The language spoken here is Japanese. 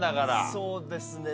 そうですね。